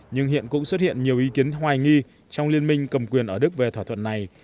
nhưng hiện cũng xuất hiện nhiều ý kiến hoài nghi trong liên minh cầm quyền ở đức về thỏa thuận này